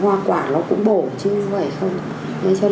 hoa quả nó cũng bổ chứ không phải không